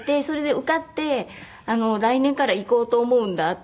それで受かって「来年から行こうと思うんだ」